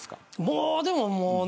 もうでももうね。